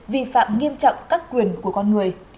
vi phạm nghiêm trọng các quyền của con người